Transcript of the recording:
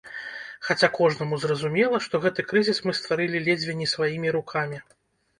Хаця кожнаму зразумела, што гэты крызіс мы стварылі ледзьве не сваімі рукамі.